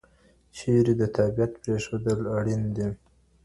چېري د تابعیت پریښودل اړین دي؟